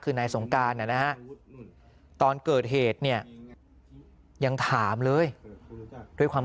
คือนายสงการนะฮะตอนเกิดเหตุเนี่ยยังถามเลยด้วยความ